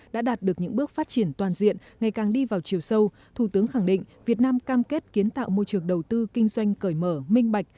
đang đi vào chiều sâu thủ tướng khẳng định việt nam cam kết kiến tạo môi trường đầu tư kinh doanh cởi mở minh bạch